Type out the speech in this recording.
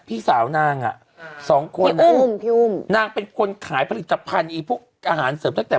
พี่สาวนางอ่ะสองคนนางเป็นคนขายผลิตภัณฑ์อีกพวกอาหารเสริมจาก